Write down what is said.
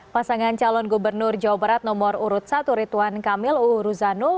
pasangan calon gubernur jawa barat nomor urut satu rituan kamil uu ruzanul